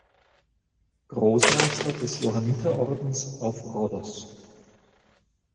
Großmeister des Johanniterordens auf Rhodos.